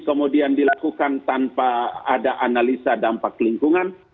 kemudian dilakukan tanpa ada analisa dampak lingkungan